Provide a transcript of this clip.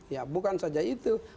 ya bukan saja itu